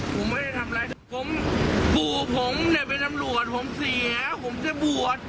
ผมไม่ได้ทำไรปูผมเป็นตำรวจผมเสียผมจะบวช